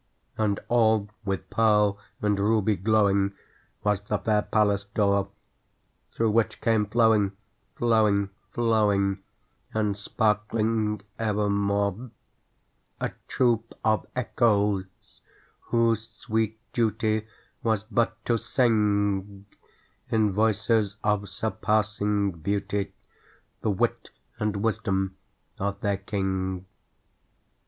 And all with pearl and ruby glowing Was the fair palace door, Through which came flowing, flowing, flowing, And sparkling evermore, A troop of Echoes, whose sweet duty Was but to sing, In voices of surpassing beauty, The wit and wisdom of their king.